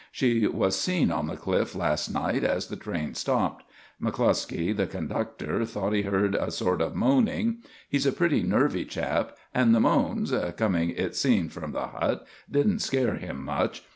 She was seen on the cliff last night as the train stopped. McCluskey, the conductor, thought he heard a sort of moaning. He's a pretty nervy chap and the moans, coming it seemed from the hut, didn't scare him much.